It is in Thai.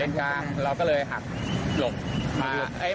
เลนส์จ้างเราก็เลยหักหลบ